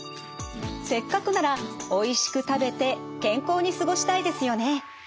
せっかくならおいしく食べて健康に過ごしたいですよね。